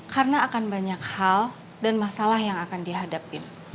karena akan banyak hal dan masalah yang akan dihadapin